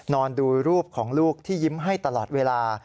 นอนดูรูปของลูกที่ยิ้มให้ตลอดเวลา